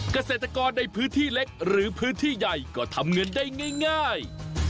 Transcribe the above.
เกษตรกรในพื้นที่เล็กหรือพื้นที่ใหญ่ก็ทำเงินได้ง่าย